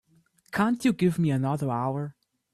Can't you give me another hour?